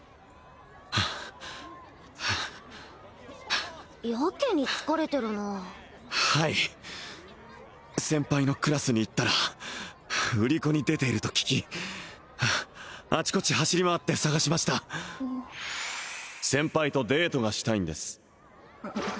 はあはあやけに疲れてるなはい先輩のクラスに行ったら売り子に出ていると聞きあちこち走り回って捜しました先輩とデートがしたいんです